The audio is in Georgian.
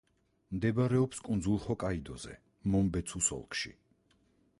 მდებარეობს კუნძულ ჰოკაიდოზე, მონბეცუს ოლქში.